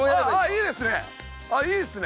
いいっすね！